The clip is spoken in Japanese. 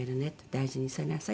大事にしなさい」って。